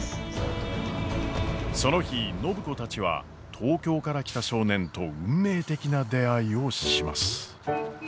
その日暢子たちは東京から来た少年と運命的な出会いをします。